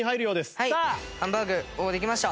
はいハンバーグもうできました。